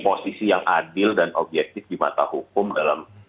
posisi yang adil dan objektif di mata hukum dalam